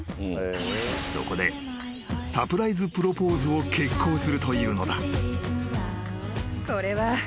［そこでサプライズプロポーズを決行するというのだ］